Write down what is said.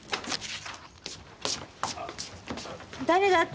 誰だった？